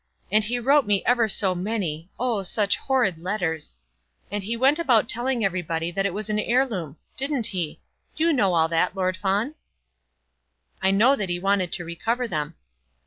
And he wrote me ever so many, oh, such horrid letters. And he went about telling everybody that it was an heirloom; didn't he? You know all that, Lord Fawn?" "I know that he wanted to recover them."